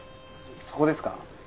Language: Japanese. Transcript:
そこですか？